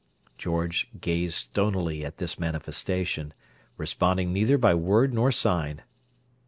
George gazed stonily at this manifestation, responding neither by word nor sign.